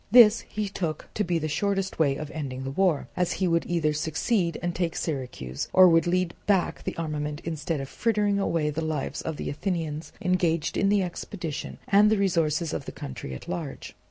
This he took to be the shortest way of ending the war, as he would either succeed and take Syracuse, or would lead back the armament instead of frittering away the lives of the Athenians engaged in the expedition and the resources of the country at large.